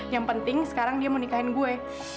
yang penting sekarang dia mau nikahin gue